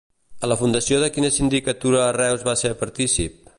A la fundació de quina sindicatura a Reus va ser partícip?